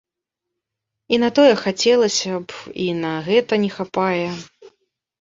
І на тое хацелася б, і на гэта не хапае.